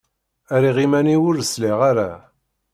Rriɣ iman-iw ur sliɣ ara.